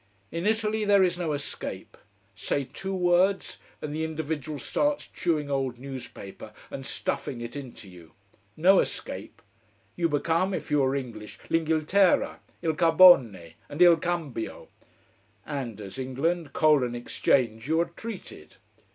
In Italy, there is no escape. Say two words, and the individual starts chewing old newspaper and stuffing it into you. No escape. You become if you are English l'Inghilterra, il carbone, and il cambio; and as England, coal and exchange you are treated.